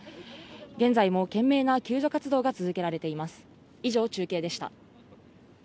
現在も懸命な救助活動が続けられています。